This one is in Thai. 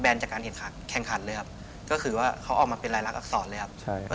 จากการแข่งขันแข่งขันเลยครับก็คือว่าเขาออกมาเป็นรายลักษณอักษรเลยครับ